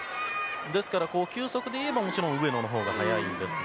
ですから、球速で言えばもちろん上野のほうが速いんですが。